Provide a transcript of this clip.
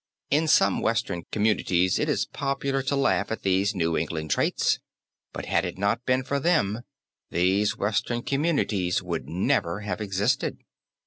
In some western communities it is popular to laugh at these New England traits; but had it not been for them, these western communities would never have existed.